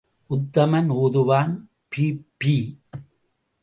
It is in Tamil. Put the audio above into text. உத்தமன் ஊதுவான் பிப்பீப்பீ.